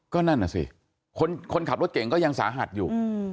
ก็นั่นน่ะสิคนขับรถเก่งก็ยังสาหัสอยู่